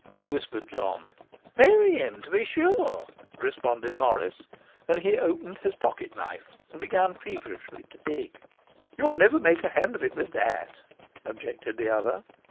whispered John. 'Bury him, to be sure,' responded Morris, and he opened his pocket knife and began feverishly to dig. 'You'll never make a hand of it with that,' objected the other.